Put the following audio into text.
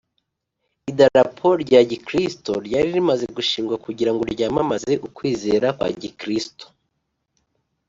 Idarapo rya gikristo ryari rimaze gushingwa kugira ngo ryamamaze ukwizera kwa gikristo